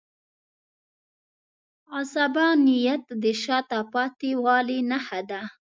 عصبانیت د شاته پاتې والي نښه ده.